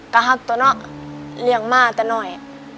ก็หักตัวเนาะเลี้ยงมาแต่หน่อย